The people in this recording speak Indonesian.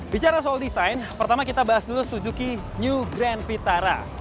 bicara soal desain pertama kita bahas dulu suzuki new grand vitara